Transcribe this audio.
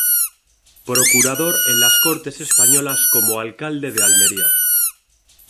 Procurador en las Cortes Españolas como alcalde de Almería.